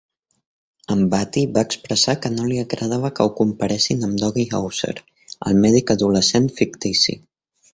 Ambati va expressar que no li agradava que ho comparessin amb Doogie Howser, el mèdic adolescent fictici.